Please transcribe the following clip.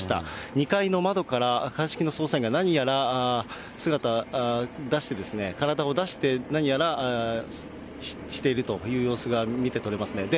２階の窓から鑑識の捜査員が何やら姿出して、体を出して、何やらしているという様子が見て取れますね。